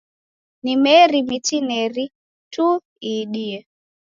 Ni meri mitineri tu iidie.